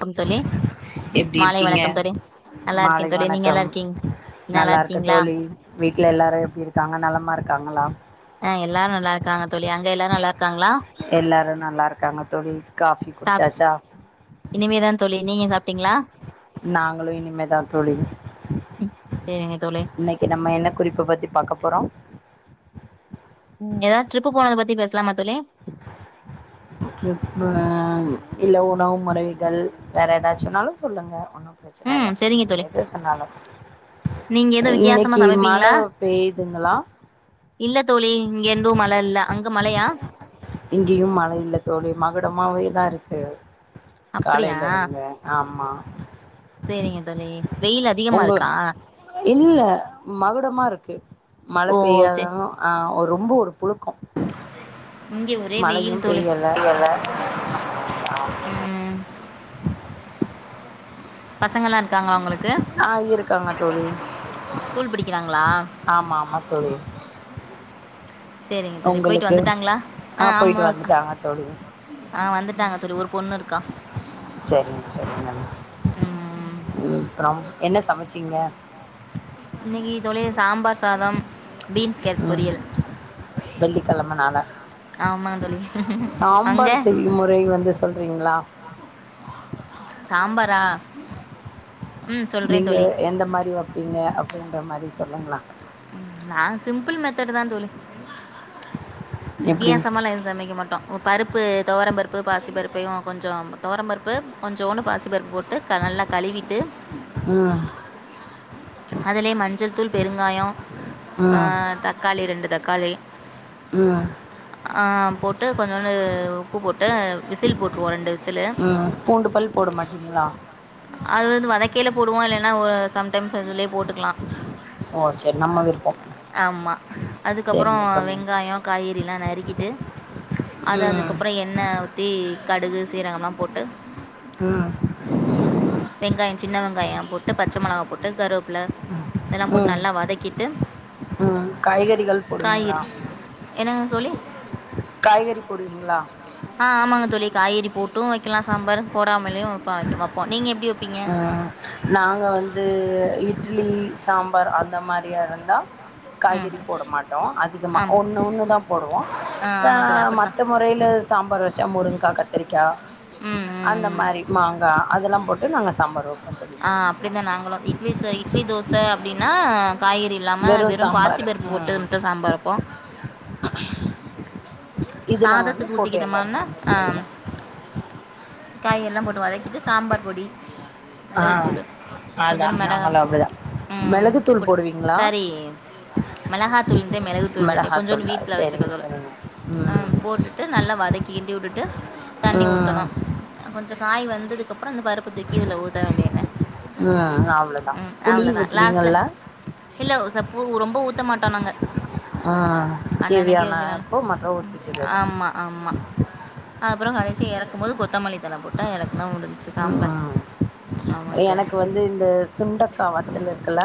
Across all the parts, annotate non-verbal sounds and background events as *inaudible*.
Come தோழி எப்டி மாலை இருக்கீங்க வணக்கம் தோழி நல்லா இருக்கே மாலை தோழி நீங்க நல்லா வணக்கம் இருக்கீங் நல்லா நல்லாருக்க இருக்கீங்களா தோழி வீட்ல எல்லோரு எப்டி இருக்காங்க நலமா இருக்காங்களா ஆ எல்லாரு நல்லா இருக்காங்க தோழி அங்க எல்லாரு நல்லா இருக்காங்ளா எல்லாரு நல்லாருக்காங்க தோழி காஃபி சாப் குடிச்சாச்சா இனிமேதா தோழி நீங்க சாப்டீங்களா நாங்களு இனிமேதா தோழி சேரிங்க தோழி இனைக் நம்ம என்ன குறிப்ப பத்தி பாக்க போறோ ம் ஏதாவது ரிப்பு போனத பத்தி பேசலாமா தோழி ரிப்பு இல்ல உணவு முறைகள் வேற ஏதாச்சுனாலு சொல்லுங்க உன்னு ம் பிரச்சனயில்ல சரிங்க நீங்க தோழி எது சொன்னாலு நீங்க எதுவு வித்தியாசமா இன்னைக்கு மழ சமைப்பீங்களா பெய்யுதுங்களா இல்ல தோழி இங்கெந்து மழ இல்ல அங்க மழயா இங்கேயு மழ இல்ல தோழி மகுடமாவேதா இருக்கு அப்படியா காலைல இருந்து ஆமா சேரிங்க தோழி வெயில் அதிகமா உங்க இருக்கா இல்ல மகுடமா இருக்கு மழ ஓ பெய்யாதாலு ஆ ரொம்ப ஒரு புழுக்கோ இங்கே ஒரே மழையு வெயில் தோழி பெய்யல *unintelligible* ம் பசங்கலா இருக்காங்களா உங்களுக்கு ஆ இருக்காங்க தோழி ஸ்கூல் படிக்கிறாங்களா ஆமா ஆமா தோழி சேரிங்க தோழி பொயிட்டு உங்களுக்கு வந்துட்டாங்களா ஆ ஆமா போயிட்டு வந்துட்டாங்க தோழி ஆ வந்துட்டாங்க தோழி ஒரு பொண்ணு இருக்கா சேரிங்க சேரிங்க ம் ம் அப்றோ என்ன சமச்சீங்க இன்னிக்கு தோழி சாம்பார் சாதம் பீன்ஸ் கேரட் ம் பொரியல் வெள்ளிக்கெழமனால ஆமாங்க தோழி சாம்பார் அங்கே செய்யும் முறை வந்து சொல்றீங்களா சாம்பாரா ம் சொல்கிறேன் நீங்க தோழி எந்த மாரி வைப்பீங்க அப்டின்ற மாரி சொல்லுங்கள ம் நா சிம்பிள் மெத்தடு தா தோழி எப்டி வித்தியாசமாலா எதும் சமைக்க மாட்டோ பருப்பு துவரம் பருப்பு பாசி பருப்பயு கொஞ்சோ துவரம் பருப்பு கொஞ்சோடு பாசி பருப்பு போட்டு டு நல்லா கழுவிட்டு ம் அதிலேய மஞ்சள் தூள் பெருங்காயோ ம் தக்காளி ரெண்டு தக்காளி ம் ஆ போட்டு கொஞ்சோண்டு உப்பு போட்டு விசில் போட் ருவே ரெண்டு விசிலு ம் பூண்டு பல் போட மாட்டீங்களா அது வந்து வதக்கேல போடுவோ இல்லன்னா ஒரு சம்டைம்ஸ் அதுலயே போட்டுக்கலா ஓ சரி நம்ம விருப்பம் ஆமா அதுக்கப்றோ சரிங்க தோழி வெங்காயோ காய்கறிலா நறுக்கிட்டு அது ம் அதுக்கப்றோ எண்ணே ஊத்தி கடுகு சீரகம்லா போட்டு ம் வெங்காயே சின்ன வெங்காய போட்டு பச்ச மொளகா போட்டு கருவேப்புல இதெல்லா போட்டு நல்லா வதக்கிட்டு ஆ காய்கறிகள் போடுவிங்களா காய்கறி என்னங்க தோழி காய்கறி போடுவிங்களா ஆ ஆமாங்க தோழி காய்கறி போட்டு வைக்கலா சாம்பாரு போடாமலயு வைப்போ நீங்க எப்டி உ நாங்க வந்து இட்லி சாம்பார் அந்த மாரியாருந்தா ம் காய்கறி போட மாட்டோ அதிகமா ஆ ஒன்னு ஒன்னு தான் போடுவோ ஆ அ ஆமாம் தோழி அப்படித்தான் மத்த முறையில சாம்பார் வச்சா முருங்காய் கத்திரிக்காய் ம் ம் அந்த ம் மாதிரி மாங்காய் அதெல்லா போட்டு நாங்க சாம்பார் வப்போ தோழி அப்டி தா நாங்களு இட்லி இட்லி தோச அப்டினா காய்கறி இல்லாம வெறு பாசி சாம்பாரு பருப்பு போட்டுது ம் மட்டு சாம்பார் இப்போ இது நா வந்து சாதத்துக்கு போட்டு ஊற்றிக்கிட்டோம்னா எல்லாச்சேந்துப்பேங்க *inaudible* காய் எல்லா போட்டு வதக்கிட்டு சாம்பார் பொடி ஆ மெளகுத்தூளு அதா கொஞ்சொன்டு மெளகா நாங்களு அப்டிதா உ மிளகுத்தூள் போடுவீங்களா சாரி மிளகா துளுக்குத்தா மிளகு தூலுனுட்டே கொஞ்சோன்னு மிளகாத்தூளா வீட்டுல சேரிங்க வச்சிருக்கதோ சேரிங்க ம் உ போட்டுட்டு நல்லா வதக்கிக்கிண்டி விட்டுட்டு தண்ணி ம் ஊத்தனு கொஞ்சோ காய் வெந்து அப்றோ அந்த பருப்பு தூக்கி இதுல ஊத்த வேண்டிதா உ அவ்ளவுதா புளி ஊத்துவீங்கல்ல இல்ல ச பூ ரொம்ப ஊத்த மாட்டோ நாங்க ம் அண்ணனைக்கு யோசிக்கனான தேவையானப்போ மட்டு ஊத்திக்கிறது ஆமா ஆமா அப்றொ கடைசி எறக்கு போது கொத்தமல்லித்தள போட்டா எறக்குனா முடுஞ்ச்சு சாம்பார் ம் ஆமாங்க தோழி எனக்கு வந்து இந்த சுண்டக்காவத்தல இருக்குல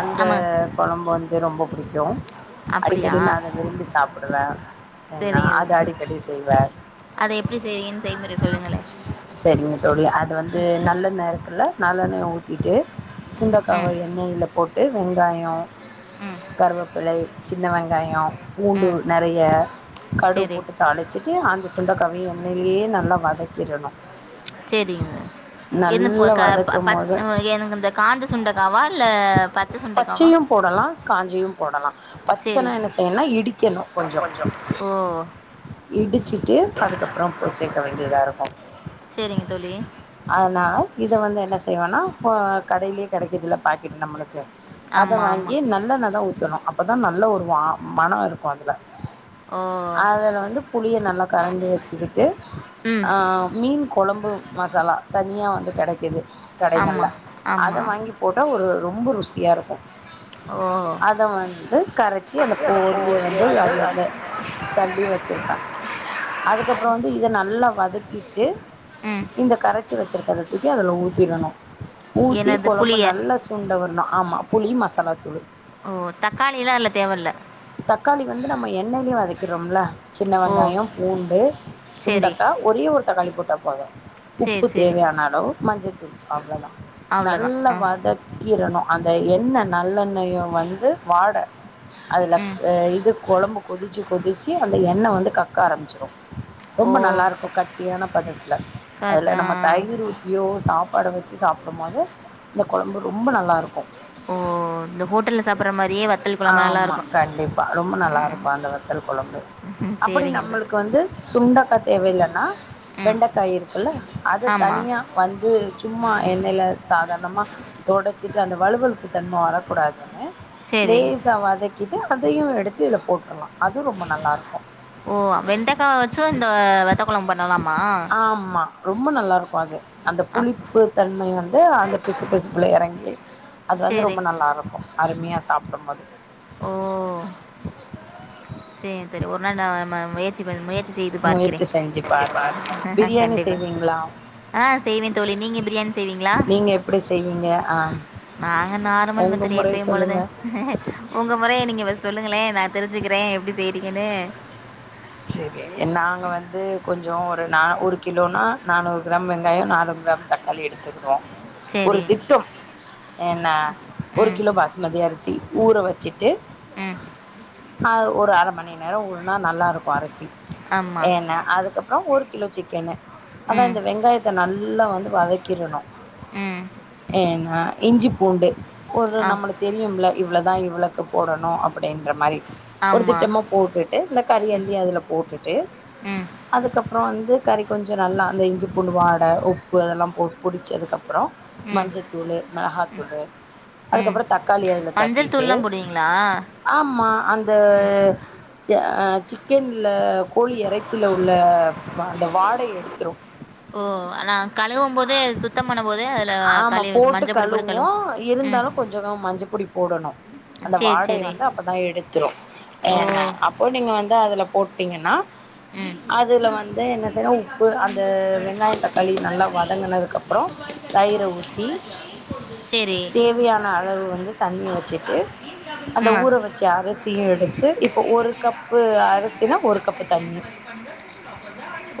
அந்த ஆமாங்க தோழி. கெழம்பு வந்து ரொம்ப பிடிக்கு அப்படியா அடிக்கடி நா அத விரும்பி சாப்பிடுவே என்னா அதை அடிக்கடி செய்வே அத எப்டி செய்வீங்க செய்யமுறை சொல்லுங்களே செரிங்க தோழி அது வந்து நல்லெண்ணருக்குல நல்லெண்ணெய ஊத்திட்டு ம் சுண்டக்காவ எண்ணெய்ல போட்டு வெங்காயோ ம் கருவேப்பிழை சின்ன வெங்காயோ பூண்டு ம் நெறைய கடுவு சரி போட்டு த அழைச்சிட்டு அந்த சுண்டைக்காவியையு எண்ணெய்லயே நல்லா வதக்கிடணு சேரி இது நல்லா க வதக்கும் போது எனக்கு இந்த காஞ்ச சுண்டைக்காவா இல்ல பச்ச சுண்டைக்காவா பச்சையு போடலா காஞ்சியு போடலா சரி பச்சனா என்ன செய்யும்ன்னா இடிக்கணு கொஞ்சோ கொஞ்சம் ஓ இடுச்சுட்டு அதுக்கப்றொ உப்பு இன்னும் சேர்க்க கொஞ்சம் வேண்டியதாருக்கு சரிங்க தோழி அதுனால இத வந்து என்ன செய்வேனா இப்ப கடையிலயே கிடைக்குதுல பாக்கிட்டு நம்மளுக்கு அத ஆமாம் வாங்கி ஆமாம் நல்லெண்ணதா ஊத்தணு அப்பதா நல்ல ஒரு வா மனோ இருக்கு அதுல ஓ அதுல வந்து புளியை நல்லா கரஞ்சு வச்சுக்கிட்டு ம் மீன் குழம்பு மசாலா தனியா வந்து கெடைக்குது ஆமா கடைகள்ல அத ஆமா வாங்கி போட்டா ஒரு ரொம்ப ருசியாக இருக்கு ஓ அத வந்து கரைச்சி அந்த வச்சு போடியே போரியை வந்து அதுல இருந் அ- தள்ளி வச்சுருப்பே அதுக்கப்றொ வந்து இத நல்லா வதக்கிட்டு ம் இந்த கரச்சு வச்சிருக்கத தூக்கி அதுல ஊத்திறணு ஊத்தி எனது கொழம்பு புளிய நல்லா சுண்ட வரணு ஆமா புளி மசாலாத்தூள் ஓ தக்காளிலாம் அதில் தேவையில்ல தக்காளி வந்து நம்ம எண்ணெய்லயே வதக்க சின்ன ஓ வெங்காயோ பூண்டு சரி சுண்டக்காய் ஒரே ஒருத்த காளி போட்டா போது சரி உப்பு சரி தேவையானளவு மஞ்சத்தூள் அவ்ளோதா அவ்வளோதான் நல்ல ஆ வதக் கீறணு அந்த எண்ணெய் நல்லெண்ணயையு வந்து வாடஅதுல ம் அஹ இது குழம்பு கொதிச்சு கொதிச்சு அந்த எண்ணெய் வந்து கக்க ஆரம்பிச்சிடு ஓ ரொம்ப நல்லாருக்கு கட்டியான பதத்துல க- அதுல ஆ. நம்ம தயிர் ஊ த்தியோ சாப்பாடு வெச்சு சாப்புடும்போது இந்த கொழம்பு ரொம்ப நல்லாருக்கு ஓ இந்த ஹோட்டலில் சாப்பிட்ற மாதிரியே வத்தல் குழம்பு ஆமா நல்லாயிருக்கும் கண்டிப்பா ரொம்ப நல்லாருக்கு அந்த வத்தல் கொழம்பு ம், அப்புடி சரிங்க இது நம்மளுக்கு வந்து சுண்டக்கா தேவ இல்லன்னா ம் வெண்டக்காய் இருக்குல அத ஆமாம் தனியா வந்து சும்மா எண்ணெய்ல சாதார்ணமா தொடச்சிட்டு அந்த வலுவலப்பு தன்ம வரக்கூடாதுன்னு சரி லேசா வதக்கிட்டு அதயு எடுத்து இதுல போட்ரலா அது ரொம்ப நல்லாருக்கு ஓ வெண்டக்கா வெச்சு இந்த வத்த கொழம்ப் பண்ணலாமா ஆமா ரொம்ப நல்லாருக்கு அது அந்த அப் புளிப்பு தன்மை வந்து அந்த பிசு பிசுப்புல எறங்கி அது வந்து சரி ரொம்ப நல்லாருக்கு அருமியா சாப்டும்போது ஓ சேர் சேரி ஒரு நாள் நா ம முயற்சி ப முயற் சி செய்து பார்க்கிறேன் முயற்சி செஞ்சு பாருங்க பிரியாணி கண்டிப்பா செய்வீங்களா ஆ செய்வே தோழி நீங்க பிரியாணி செய்வீங்ளா நீங்க எப்டி செய்வீங்க ஆ நாங்க நார்மல் உங்க மெத்தடு முறை எப்பயும் போல தா சொல்லுங்க உங்க முறைய நீங்க ஃபஸ் சொல்லுங்களே நா தெரிஞ்சுக்கிறே எப்டி செய்றீங்கனு செரி நாங்க வந்து கொஞ்சோ ஒரு நா ஒரு கிலோனா நானூறு கிராம் வெங்காயோ நானூறு கிராம் தக் காளி எடுத்துக்கிடுவோ ஒரு சரி திட்டம் என்ன ஒரு ம் கிலோ பாஸ்மதி அரிசி ஊற வச்சிட்டு அ அ ஒரு அர மணி நேரோ ஊறுனா நல்லாருக்கு அரிசி ஆமாம் என்ன அதுக்கப் புறோ ஒரு கிலோ சிக்கன்னு அதா ம் இந்த வெங்காயத்த நல்லா வந்து வதக்கிறணு அ ஏனா இஞ்சி பூண்டு ஒரு ஆ நம்மளுக் தெரியும்ல இவ்ளதா இவ்ளக்கு போடணு அப்புடின்ற மாரி ஒரு ஆமாம் திட்டமா போட்டுட்டு இந்த கறி அல்லி அதுல போட்டுட்டு ம் அதுக்கப்பறோ வந்து கறி கொஞ்சோ நல்லா அந்த இஞ்சி பூண்டு வாட உப்பு அதெல்லா போ பொடிச்சதுக்கப்புறோ ம் மஞ்சத்தூளு மெளகாத்தூளு ம் அதுக்கப்புற தக்காளி அதுல மஞ்சள் தட்டிட்டு தூள்லாம் போடுவீங்களா ஆமா அந்த அ சிக்கன்ல கோழி எறைச்சில உள்ள வ அந்த வாடை எடுத்துரு ஓ அனா கழுவும் போதே சுத்தம் பண்ணும் போதே அதுல ஆமா கழுவி மஞ்ச பொடி போட்டு கழுவுவோ கழுவு ம் இருந்தாலு கொஞ்சோ மஞ்சப்பொடி போடணு அந்த சரி வாடை சரி வந்து அப்பதா எடுத்துரு ஓ ஏனா இப்போ நீங்க வந்து அதுல போட்டீங்கெனா ம் அதுல வந்து என்ன செய்றோ உப்பு அந்த வெங்காயோ தக்காளி நல்லா வதங்கினதுக்கப்றோ தயிர ஊத்தி சரி தேவையான அளவு வந்து தண்ணி வெச்சுட்டு அந்த ம் ஊற வெ ச்ச அரிசியு எடுத்து இப்ப ஒரு கப்பு அரிசினா ஒரு கப் தண்ணி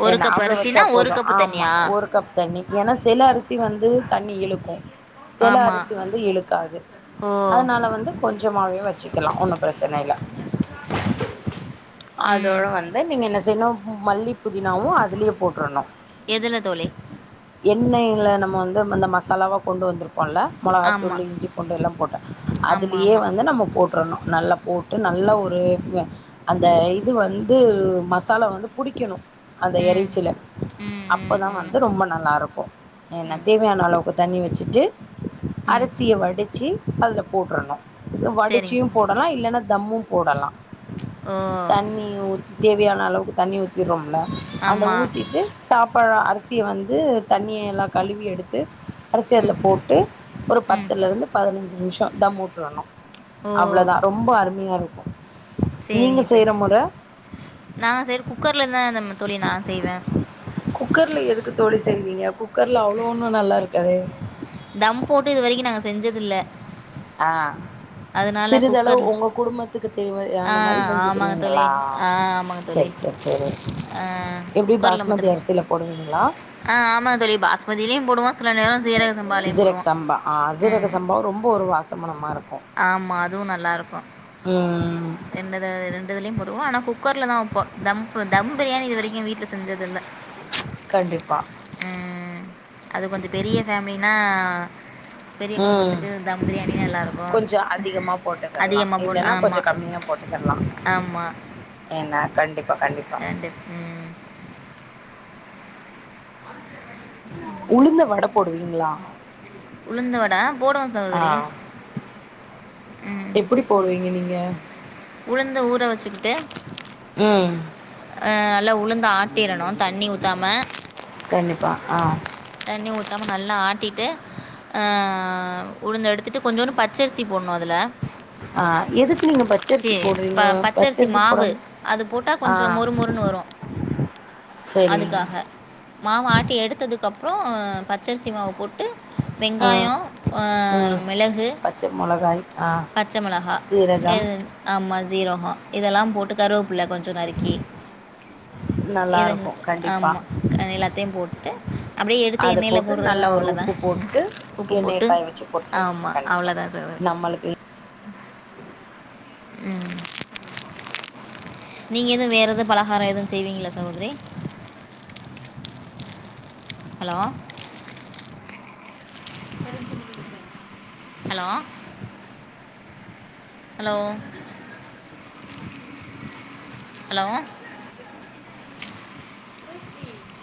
ஒரு என்ன கப் அவ்ளோ வெச்சா அரிசினா ஒரு போது கப்பு ஆமா தண்ணியா ஒரு கப் தண்ணி ஏனா சில அரிசி வந்து தண்ணி இழுக்கு செல ஆமா அரிசி வந்து இழுக்காது ஓ அதனால வந்து கொஞ்சமாவையு வெச்சிகலா ஒன்னு ப்ரெச்சனையில ம் அதோட வந்து நீங்க என்ன செய்ணு ம மல்லி புதினாவோ அதுலியே போட்டுருணு எதுல தோழி எண்ணெயில் நம்ம வந்து இந்த மசாலாவ கொண்டு வந்துருப்போல ஆமா மொளகாத்தூள் இஞ்சி பூண்டு எல்லா போட்ட ஆமா அதுலியே ஆமா வந்து நம்ம போட்றணு நல்லா போட்டு நல்ல ஒரு அந்த இது வந்து மசாலா வந்து புடிக்கணு அந்த ம் இறைச்சில ம் ம் அப்பதா ம் வந்து ரொம்ப நல்லா இருக்கு நீ நா ம் தேவையான அளவுக்கு தண்ணி வச்சுட்டு ம் அரிசிய வடிச்சி அதுலப் போட்ரணு சரிங்க வடிச்சியு போடலா இல்லன்னா தம்மு போடலா ஓ தண்ணி ஊத்தி தேவையான அளவுக்கு தண்ணி ஊத்திறோம்ல அந்த ஆமா ஊத்திட்டு சாப்பாடு அரிசிய வந்து தண்ணிய எல்லா கழுவி எடுத்து அரிசி ம் அதுல போட்டு ஒரு ம் பத்துல இருந்து பதினஞ்சு நிமிஷோ தம் வுட்றணு ஓ அவ்ளதா ரொம்ப அருமையா இருக்கு நீங்க செய்ற மொற நா செய்ற குக்கர்ல தா இந்த தோழி நா செய்வ குக்கர்ல எதுக்கு தோழி செய்றீங்க குக்கர்ல அவ்ளோ ஒன்னு நல்லா இருக்காதே தம் போட்டு இது வரைக்கு நாங்க செஞ்சது இல்ல ஆ சிறிதளவு குக்கர் உங்க குடும்பத் துக்கு ஆ தேவையான மாரி ஆமாங்க தோழி செஞ்சுக்குருவீங்ளா ஆ ஆமாங்க தோழி சேர் சேர் செரி எப்டி குக்கரில் பாஸ்மதி மட்டும்தான் அரிசியில போடுவீங்ளா ஆ ஆமா தோழி பாஸ்மதிலியு போடுவோ சில நேரோ சீர ஜீரக் சம்பா ஆ சீரக சம்பாவு ரொம்ப ஒரு வாசமனமா இருக்கு ஆமா அதுவு நல்லா இருக்கு ம் ரெண்டு த ரெண்டுதுலையு போடுவோ ஆனா குக்கர்ல தா வப்போ தம்பு தம் பிரியாணி இது வரைக்கு வீட்ல செஞ்சது இல்ல கண்டிப்பா ம் அது கொஞ்சோ பெரிய ஃபேமிலினா ம் நல்லாயிருக்கும் கொஞ்சோ அதிகமா போட்டுகெர்லா இல்லன்னா கொஞ்ச கம்மியா போட்டுகெர்லா ஆமா ஏனா கண்டிப்பா கண்டிப்பா ரெண்டு ம் உளுந்த வட போடுவீங்ளா உளுந்த வட ஆ போடுவோ சகோதரி ம் எப்புடி போடுவோம் போடுவீங்க நீங்க உளுந்து ஊற வச்சுக்கிட்டு ம் அ நல்லா உளுந்த ஆட்டிரணு தண்ணி ஊத்தாம கண்டிப்பா ஆ தண்ணி ஊத்தாம நல்லா ஆட்டிட்டு ஆ உளுந்த எடுத்துட்டு கொஞ்சோன்னு பச்சரிசி போடணு அதுல ஆ எதுக்கு நீங்க பச்சரிசி ப போட்றீங்க பச்சரிசி மாவு போடாம அது போட்டால் ஆ கொஞ்சம் மொறு மொறுன்னு வரும் செரி அதுக்காக மாவு ஆட்டி எடுத்ததுக்கு அப்றோ பச்சரிசி மாவ போட்டு ஆ வெங்காயோ அ ம் மிளகு பச்ச மொளகாய் ஆ பத்து பச்சை மிளகா சீரகம் எது ஆமாம் சீரகம் இதெல்லா போட்டு கருவப்புள்ள கொஞ்ச நறுக்கி எதங்க நல்லாருக்கு கண்டிப்பா ஆமா எல்லாத்தையு போட்டு அப்படியே எடுத்து அத எண்ணெயில் போட்டு போடுறது நல்லா தான் ஒரு அவ்வளோதான் உப்பு போட்டு உப்பு எண்ணெயை போட்டு காய் வச்சு போட்டுவங்க ஆமாம் கண்டிப்பா அவ்வளோதான் சகோதரி நம்மளுக்கு ம் நீங்க எதுவு வேற எதாது பலகாரோ எதுவு செய்வீங்களா சகோதரி ஹலோ ஹலோ ஹலோ ஹலோ